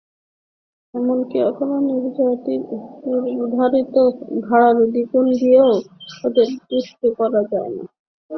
এমনকি কখনো নির্ধারিত ভাড়ার দ্বিগুণ দিয়েও তাঁদের তুষ্ট করা যায় না।